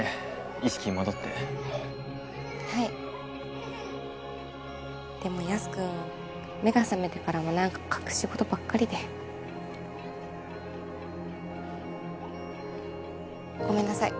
意識戻ってはいでもヤス君目が覚めてからも何か隠し事ばっかりでごめんなさい